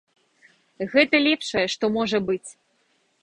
Гэта лепшае, што можа быць.